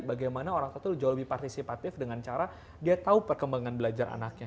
bagaimana orang tua itu jauh lebih partisipatif dengan cara dia tahu perkembangan belajar anaknya